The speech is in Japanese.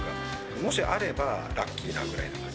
もしあればラッキーなぐらいな感じ。